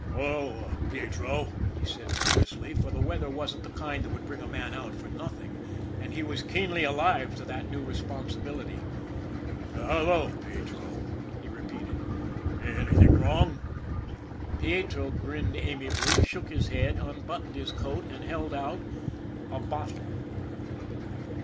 " Hello, Pietro," he said nervously, for the weather wasn't the kind that would bring a man out for nothing, and he was keenly alive to that new respon sibility. " Hello, Pietro," he repeated. " Anything wrong? " Pietro grinned amiably, shook his head, unbuttoned his coat, and held out a bottle.